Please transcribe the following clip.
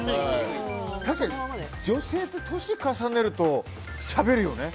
確かに、女性って年を重ねるとしゃべるよね。